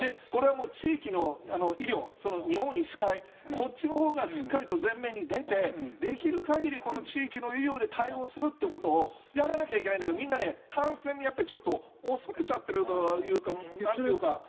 これはもう地域の医療、その日本医師会、こっちのほうがしっかりと前面に出て、できるかぎりこの地域の医療で対応するってことをやらなきゃいけないんだけど、みんな感染にやっぱりちょっと、恐れちゃってるというか、なんというか。